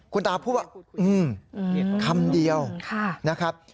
คุณตาพูดว่าคำเดียวนะครับ